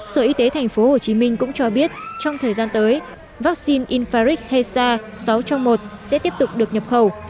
sở y tế tp hcm cũng cho biết trong thời gian tới vaccine infraric heza sáu trong một sẽ tiếp tục được nhập khẩu